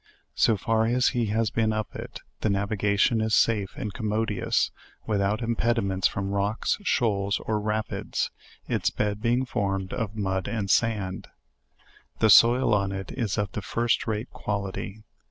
So far as he has been up it, the navigation is safe and commodious, without impediments from rocks, shoals, or rapids; its bed being formed of mud and sand. The soil on it is of the first rate quality.